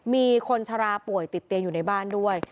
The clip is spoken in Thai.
มีคนชะลาป่วยติดเตียงอยู่ในบ้านด้วย